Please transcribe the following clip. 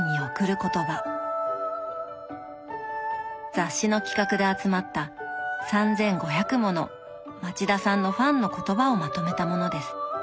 雑誌の企画で集まった３，５００もの「町田さんのファンの言葉」をまとめたものです。